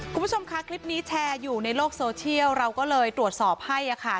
คุณผู้ชมค่ะคลิปนี้แชร์อยู่ในโลกโซเชียลเราก็เลยตรวจสอบให้ค่ะ